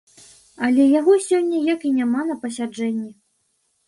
Але яго сёння як і няма на пасяджэнні.